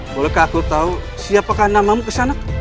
bolehkah aku tahu siapakah namamu kesana